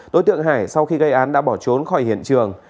đối tượng hải sau khi gây án đã bỏ trốn khỏi hiện trường